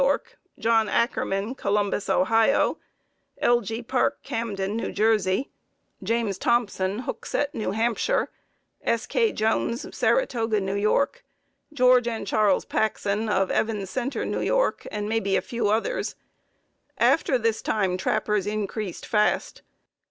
Y; John Ackerman, Columbus, Ohio; L. G. Parke, Camden, N. J.; James Thompson, Hookset, N. H.; S. K. Jones, Saratoga, N. Y.; George and Charles Paxon of Evans Center, N. Y., and maybe a few others. After this time, trappers increased fast.